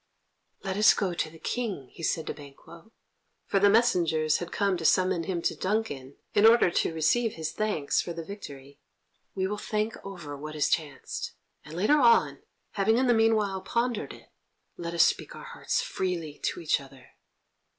"Let us go to the King," he said to Banquo; for the messengers had come to summon him to Duncan, in order to receive his thanks for the victory. "We will think over what has chanced, and later on, having in the meanwhile pondered it, let us speak our hearts freely to each other."